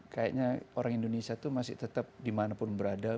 kayaknya orang indonesia itu masih tetap dimanapun berada